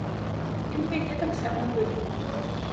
І ў мяне таксама былі.